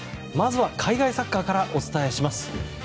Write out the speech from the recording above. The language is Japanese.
まずは海外サッカーからお伝えします。